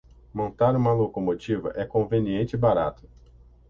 Montar uma locomotiva é conveniente e barato